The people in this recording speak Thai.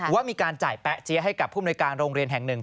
ว่ามีการจ่ายแป๊ะเจี๊ยให้กับผู้มนุยการโรงเรียนแห่งหนึ่ง